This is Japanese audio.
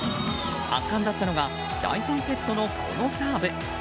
圧巻だったのが第３セットのこのサーブ。